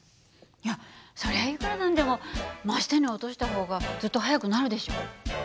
いやそれはいくらなんでも真下に落とした方がずっと速くなるでしょ。